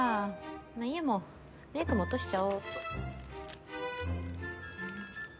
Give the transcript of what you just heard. まあいいやもうメイクも落としちゃおうっと。